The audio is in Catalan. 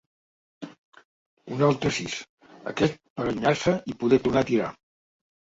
Un altre sis, aquest per allunyar-se i poder tornar a tirar.